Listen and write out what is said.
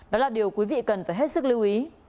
đó là điều quý vị cần phải hết sức lưu ý